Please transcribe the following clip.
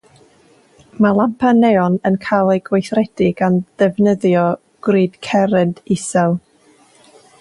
Mae lampau neon yn cael eu gweithredu gan ddefnyddio gwrid cerrynt isel.